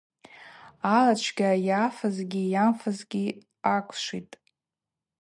Ала чвгьа йафызгьи йамфызгьи аквшвитӏ.